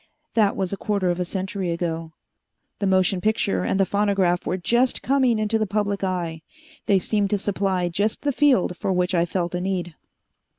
That was a quarter of a century ago. The motion picture and the phonograph were just coming into the public eye. They seemed to supply just the field for which I felt a need.